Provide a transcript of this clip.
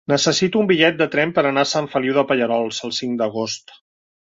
Necessito un bitllet de tren per anar a Sant Feliu de Pallerols el cinc d'agost.